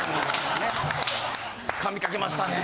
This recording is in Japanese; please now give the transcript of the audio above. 噛みかけましたね。